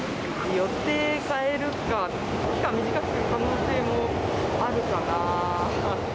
予定変えるか、期間短くする可能性もあるかな。